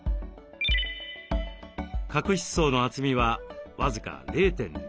角質層の厚みは僅か０．０２ミリ。